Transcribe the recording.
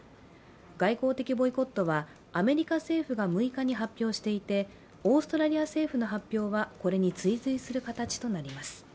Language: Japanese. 外交的ボイコットはアメリカ政府が６日に発表していてオーストラリア政府の発表はこれに追随する形となります。